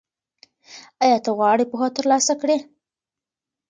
ایا ته غواړې پوهه ترلاسه کړې؟